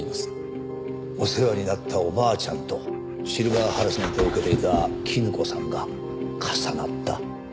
お世話になったおばあちゃんとシルバーハラスメントを受けていた絹子さんが重なった。